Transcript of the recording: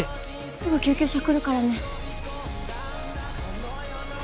すぐ救急車来るからね。